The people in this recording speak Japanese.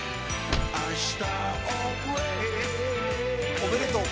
おめでとう。